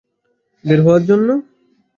বের হওয়ার জন্য?